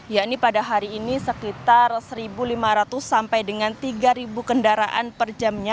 yakni pada hari ini sekitar satu lima ratus sampai dengan tiga kendaraan per jamnya